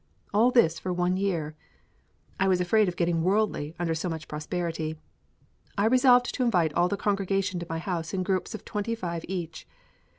all this for one year?" I was afraid of getting worldly under so much prosperity! I resolved to invite all the congregation to my house in groups of twenty five each.